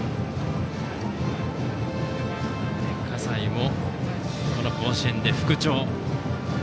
笠井もこの甲子園で復調。